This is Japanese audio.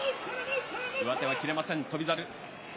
上手は切れません、翔猿。